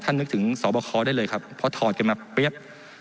นึกถึงสอบคอได้เลยครับเพราะถอดกันมาเปรี้ย